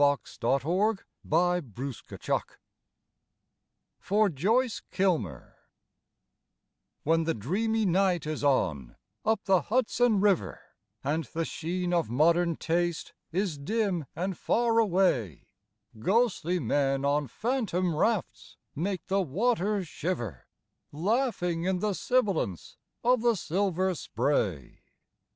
OLD HUDSON ROVERS (For Joyce Kilmer) When the dreamy night is on, up the Hudson river, And the sheen of modern taste is dim and far away, Ghostly men on phantom rafts make the waters shiver, Laughing in the sibilance of the silver spray.